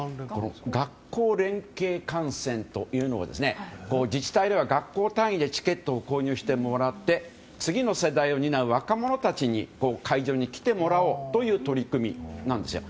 学校連携観戦というのは自治体では学校単位でチケットを購入してもらって次の世代を担う若者たちに会場に来てもらおうという取り組みなんですよ。